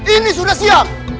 ini sudah siang